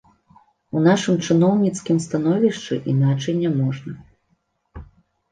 У нашым чыноўніцкім становішчы іначай няможна.